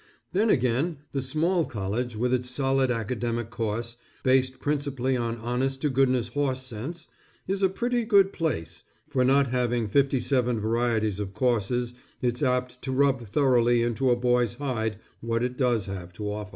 Then again, the small college with its solid academic course, based principally on honest to goodness horse sense, is a pretty good place, for not having fifty seven varieties of courses, it's apt to rub thoroughly into a boy's hide what it does have to offer.